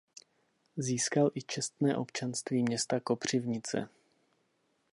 Získal i čestné občanství města Kopřivnice.